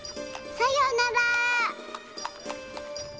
さよなら？